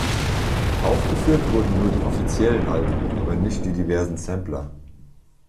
Aufgeführt wurden nur die offiziellen Alben, aber nicht die diversen Sampler.